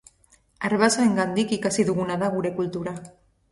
Arbasoengandik ikasi duguna da gure kultura.